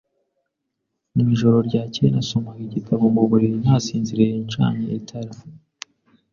Mu ijoro ryakeye, nasomaga igitabo mu buriri, nasinziriye ncanye itara.